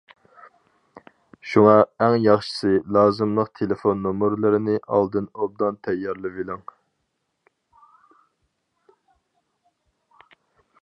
شۇڭا ئەڭ ياخشىسى لازىملىق تېلېفون نومۇرلىرىنى ئالدىن ئوبدان تەييارلىۋېلىڭ.